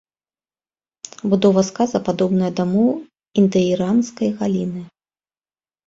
Будова сказа падобная да моў індаіранскай галіны.